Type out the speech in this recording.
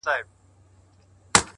حقیقت د وخت ازموینه تېروي؛